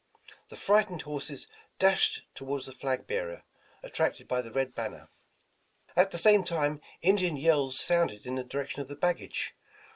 The frightened horses dashed toward the flag bearer, attracted by the red banner. At the same time Indian yells sounded in the direc tion of the baggage.